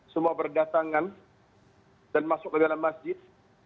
semua berdatangan dan masuk ke dalam masjid